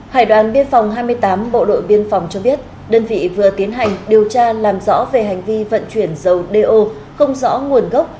hải đoàn biên phòng hai mươi tám bộ đội biên phòng cho biết đơn vị vừa tiến hành điều tra làm rõ về hành vi vận chuyển dầu do không rõ nguồn gốc